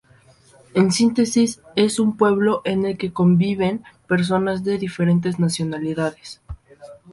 En síntesis, es un pueblo en el que conviven personas de diferentes nacionalidades.